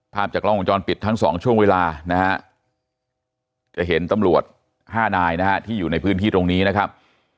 ภาพจากกล้องวงจรปิดทั้งสองช่วงเวลานะฮะจะเห็นตำรวจ๕นายนะฮะที่อยู่ในพื้นที่ตรงนี้นะครับ